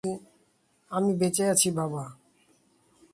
বেঁচে থাকার শেষ দিনগুলোতে শাহানা প্রতি রাতে মেয়েকে কাছে নিয়ে ঘুমিয়েছেন।